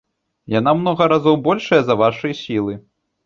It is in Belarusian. Яна ў многа разоў большая за вашы сілы.